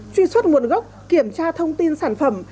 truy xuất nguồn gốc kiểm tra thông tin sản phẩm